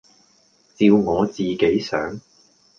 照我自己想，